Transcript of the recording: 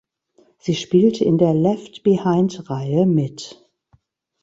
Sie spielte in der Left Behind-Reihe mit.